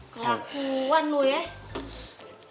kelakuan lu ya